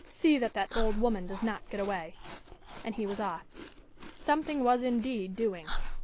See that that old woman does not get away." And he was off. Something was indeed doing.